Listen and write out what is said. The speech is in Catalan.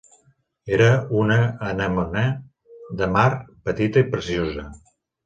Era una anemone de mar, petita i preciosa.